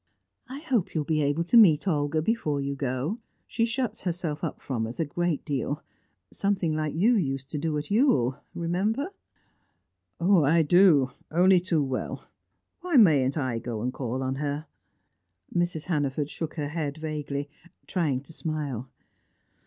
"I hope you will be able to meet Olga before you go. She shuts herself up from us a great deal something like you used to do at Ewell, you remember." "I do, only too well. Why mayn't I go and call on her?" Mrs. Hannaford shook her head, vaguely, trying to smile.